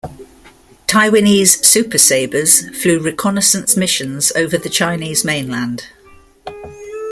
Taiwanese Super Sabres flew reconnaissance missions over the Chinese mainland.